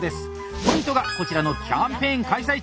ポイントがこちらの「キャンペーン開催中！」。